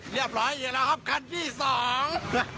เรียบร้อยอยู่แล้วครับคันที่สอง